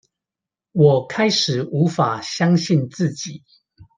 我開始無法相信自己